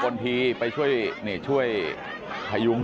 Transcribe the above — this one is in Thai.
คุณสกนทีไปช่วยพยุง